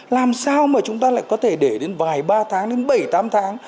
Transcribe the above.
làm sao mà chúng ta lại có thể để đến vài ba tháng đến bảy tám tháng